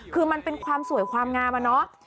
คือมันเป็นความสวยความงามอะเนาะ